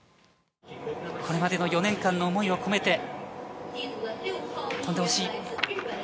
これまでの４年間の思いを込めて飛んでほしい。